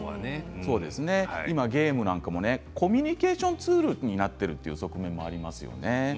今ゲームはコミュニケーションツールになっているという側面もありますよね。